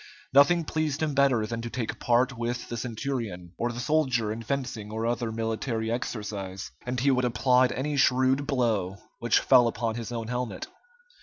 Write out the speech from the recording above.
Nothing pleased him better than to take part with the centurion, or the soldier in fencing or other military exercise, and he would applaud any shrewd blow which fell upon his own helmet.